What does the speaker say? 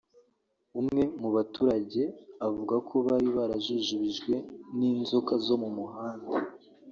umwe mu baturage avuga ko bari barajujubijwe n’inzoka zo mu nda